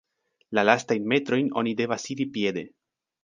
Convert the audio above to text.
La lastajn metrojn oni devas iri piede.